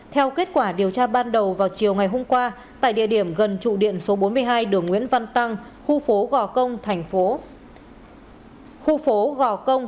theo kết quả điều tra ban đầu vào chiều ngày hôm qua tại địa điểm gần trụ điện số bốn mươi hai đường nguyễn văn tăng khu phố gò công